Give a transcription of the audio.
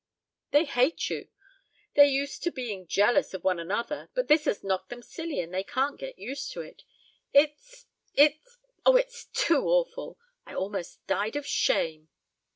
They hate you. They're used to being jealous of one another, but this has knocked them silly and they can't get used to it. It's it's oh, it's too awful! I almost died of shame."